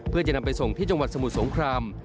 เพื่อจะนำไปส่งที่จังหวัดสมุทรสงคราม